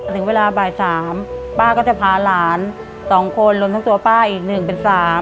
ถึงเวลาบ่าย๓ป้าก็จะพาหลาน๒คนรวมทั้งตัวป้าอีก๑เป็น๓